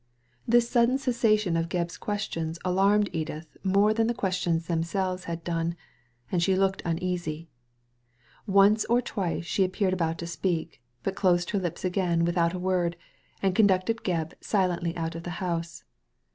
^lus sudden cessation of Qebb's questions alarmed Digitized by Google ii6 THE LADY FROM NOWHERE Edith more than the questions themselves had don^ and she looked uneasy. Once or twice she appeared about to speak, but closed her lips again without a word, and conducted Gebb silently out of the house.